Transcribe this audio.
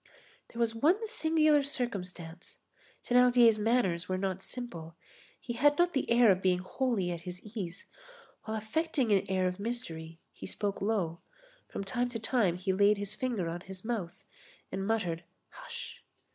There was one singular circumstance; Thénardier's manners were not simple; he had not the air of being wholly at his ease; while affecting an air of mystery, he spoke low; from time to time he laid his finger on his mouth, and muttered, "hush!"